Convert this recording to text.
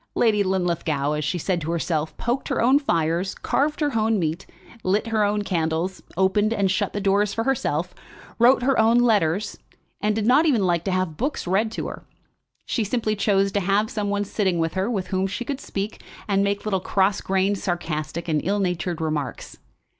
Lady Linlithgow, as she had said of herself, poked her own fires, carved her own meat, lit her own candles, opened and shut the doors for herself, wrote her own letters, and did not even like to have books read to her. She simply chose to have some one sitting with her to whom she could speak and make little cross grained, sarcastic, and ill natured remarks.